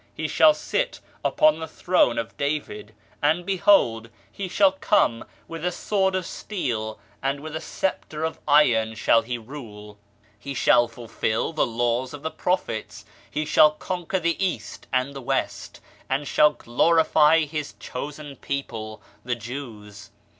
He shall sit upon the throne of David, and behold, He shall THE COMING OF CHRIST 49 come with a sword of steel, and with a sceptre of iron shall He rule ! He shall fulfil the Law of the Prophets, He shall conquer the East and the West, and shall glorify His chosen people the Jews.